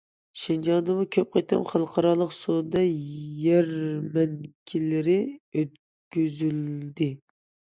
شىنجاڭدىمۇ كۆپ قېتىم خەلقئارالىق سودا يەرمەنكىلىرى ئۆتكۈزۈلدى.